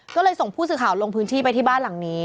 ก็เลยส่งผู้สื่อข่าวลงพื้นที่ไปที่บ้านหลังนี้